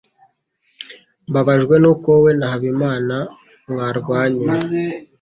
Mbabajwe nuko wowe na Habimana mwarwanye.